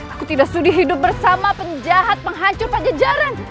aku tidak sudi hidup bersama penjahat penghancur pada jajaran